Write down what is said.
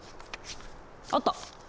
あった！